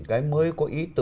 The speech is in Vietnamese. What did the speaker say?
cái mới có ý